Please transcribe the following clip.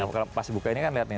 kalau pas buka ini kan lihat nih